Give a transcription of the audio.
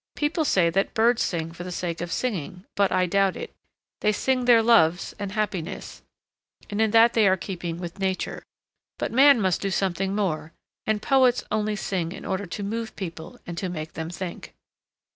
'People say that birds sing for the sake of singing, but I doubt it. They sing their loves and happiness, and in that they are in keeping with nature. But man must do something more, and poets only sing in order to move people and to make them think.'